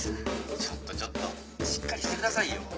ちょっとちょっとしっかりしてくださいよ。